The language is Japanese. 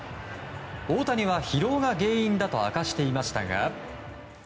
大谷は疲労が原因だと明かしていましたが。